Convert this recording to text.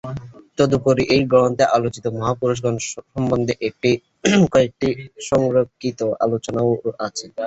তদুপরি এই গ্রন্থে আলোচিত মহাপুরুষগণ সম্বন্ধে কয়েকটি সংক্ষিপ্ত আলোচনাও আছে।